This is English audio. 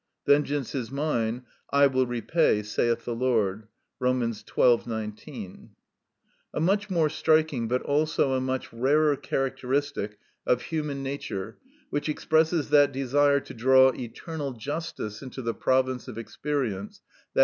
("Vengeance is mine; I will repay, saith the Lord,"—Rom. xii. 19.) A much more striking, but also a much rarer, characteristic of human nature, which expresses that desire to draw eternal justice into the province of experience, _i.